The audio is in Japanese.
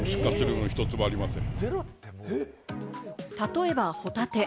例えばホタテ。